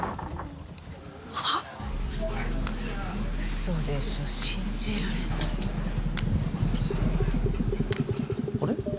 嘘でしょ信じられないあれ？